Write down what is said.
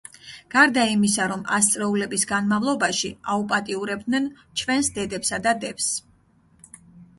გარდა იმისა რომ ასწლეულების განმავლობაში აუპატიურებდნენ ჩვენს დედებსა და დებს!